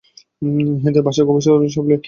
এদের ভাষা খুবই সরল ও সাবলীল।